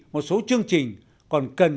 một số chương trình còn cần